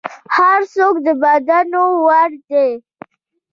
هر څوک د بدلون وړ دی.